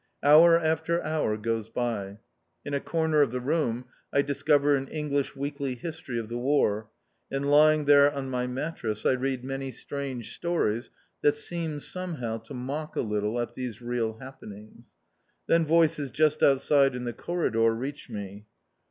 Hour after hour goes by. In a corner of the room I discover an English weekly history of the War, and lying there on my mattress I read many strange stories that seem somehow to mock a little at these real happenings. Then voices just outside in the corridor reach me.